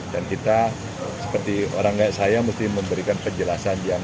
nameka kita seperti orang kaya saya mesti memberikan penjelasan